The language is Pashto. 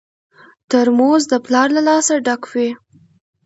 ترموز د پلار له لاسه ډک وي.